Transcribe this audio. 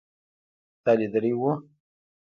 تا لیدلی و